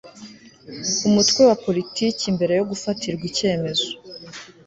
Umutwe wa politiki mbere yo gufatirwa icyemezo